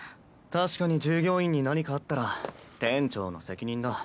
確かに従業員に何かあったら店長の責任だ。